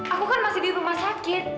aku kan masih di rumah sakit